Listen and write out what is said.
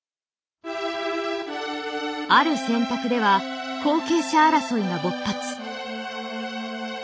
ある選択では後継者争いが勃発。